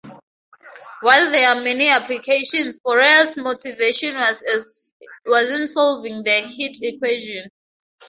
While there are many applications, Fourier's motivation was in solving the heat equation.